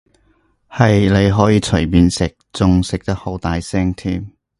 係，你可以隨便食，仲食得好大聲添